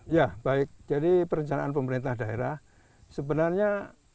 ya baik jadi perencanaan pemerintah daerah sebenarnya